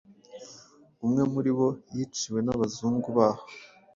Umwe muribo yiciwe nabazungu baho